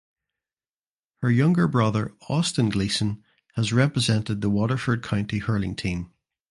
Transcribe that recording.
Her younger brother Austin Gleeson has represented the Waterford county hurling team.